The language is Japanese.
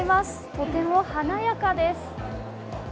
とても華やかです。